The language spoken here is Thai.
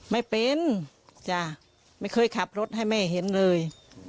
ไม่เป็นจ้ะไม่เคยขับรถให้แม่เห็นเลย